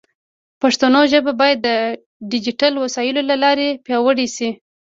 پښتو ژبه باید د ډیجیټل وسایلو له لارې پیاوړې شي.